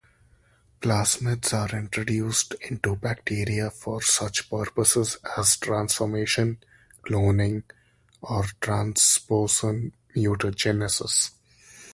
Plasmids are introduced into bacteria for such purposes as transformation, cloning, or transposon mutagenesis.